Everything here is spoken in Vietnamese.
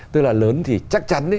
tức là lớn thì chắc chắn